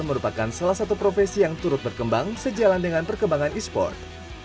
merupakan salah satu profesi yang turut berkembang sejalan dengan perkembangan e sport